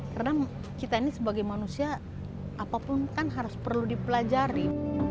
karena kita ini sebagai manusia apapun kan harus perlu dipelajari